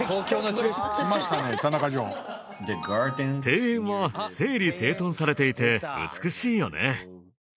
庭園は整理整頓されていて美しいよね。